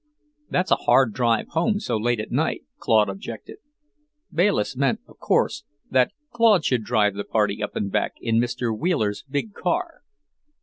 "It's a hard drive home, so late at night," Claude objected. Bayliss meant, of course, that Claude should drive the party up and back in Mr. Wheeler's big car.